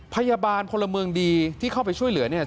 พยาบาลพลเมืองดีที่เข้าไปช่วยเหลือเนี่ย